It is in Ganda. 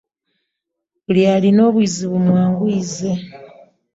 Buli alina obuzibu mwanguyize.